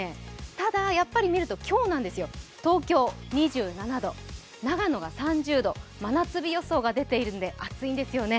ただ、やっぱり見ると今日なんですよ東京２７度、長野が３０度、真夏日予想が出ているので暑いんですよね。